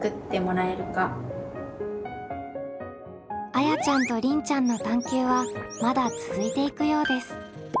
あやちゃんとりんちゃんの探究はまだ続いていくようです。